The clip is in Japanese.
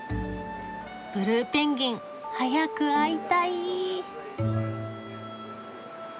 ブルーペンギン早く会いたい。